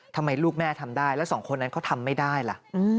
ทำไมลูกแม่ทำได้แล้วสองคนนั้นเขาทำไม่ได้ล่ะ